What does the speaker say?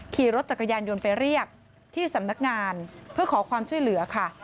ขี่รถจักรยานยนต์ไปเรียกที่สำนักงานเพื่อขอความช่วยเหลือค่ะ